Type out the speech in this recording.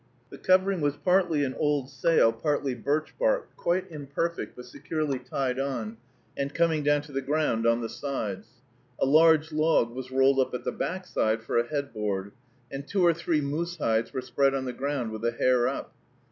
The covering was partly an old sail, partly birch bark, quite imperfect, but securely tied on, and coming down to the ground on the sides. A large log was rolled up at the back side for a headboard, and two or three moose hides were spread on the ground with the hair up.